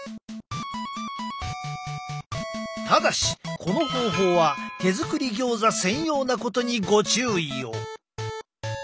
ただしこの方法は手作りギョーザ専用なことにご注意を。